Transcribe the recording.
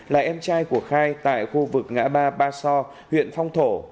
là em trai của khai tại khu vực ngã ba ba so huyện phong thổ